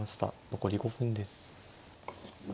残り５分です。